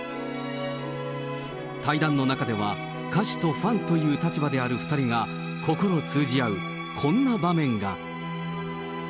対談の中では、歌手とファンという立場である２人が、心通じ合うこんな場面が。